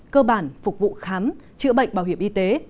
cơ bản phục vụ khám chữa bệnh bảo hiểm y tế